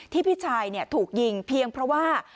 ที่พี่ชายเนี่ยถูกยิงเพียงเพราะว่า